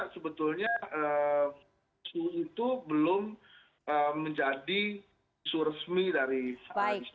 sebetulnya itu belum menjadi suresmi dari istana